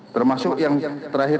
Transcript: termasuk yang terakhir